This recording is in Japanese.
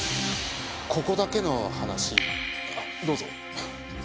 ここだけの話あっどうぞ。